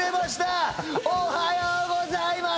おはようございます！